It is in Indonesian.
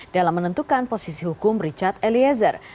dalam menentukan posisi hukum richard eliezer